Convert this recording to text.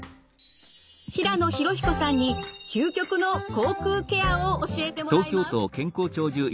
平野浩彦さんに究極の口腔ケアを教えてもらいます。